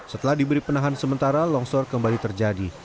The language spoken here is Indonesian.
setelah diberi penahan sementara longsor kembali terjadi